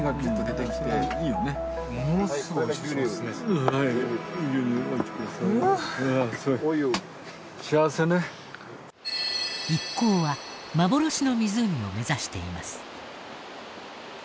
なんと一行は幻の湖を目指しています。